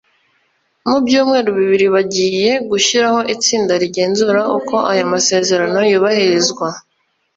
mu byumweru bibiri bagiye gushyiraho itsinda rigenzura uko aya masezerano yubahirizwa